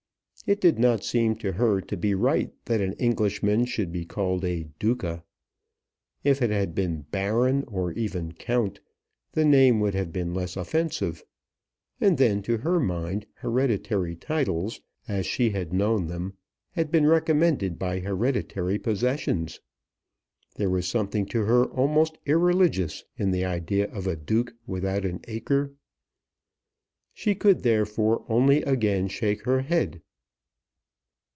It did not seem to her to be right that an Englishman should be called a Duca. If it had been Baron, or even Count, the name would have been less offensive. And then to her mind hereditary titles, as she had known them, had been recommended by hereditary possessions. There was something to her almost irreligious in the idea of a Duke without an acre. She could therefore only again shake her head.